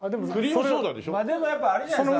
でもやっぱあれじゃないですか。